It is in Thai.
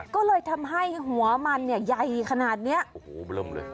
ก็เลยทำให้หัวมันเนี่ยใหญ่ขนาดเนี้ยโอ้โหมันเริ่มเลย